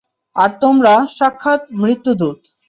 আর তোমরা, সাক্ষাত মৃত্যুদূত।